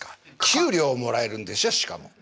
給料もらえるんですよしかも。